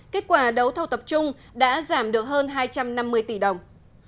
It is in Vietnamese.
kết quả đấu thầu tập trung đã giảm được hơn hai trăm năm mươi tỷ đồng